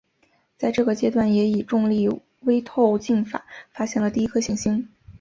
在这个阶段也以重力微透镜法发现了第一颗行星。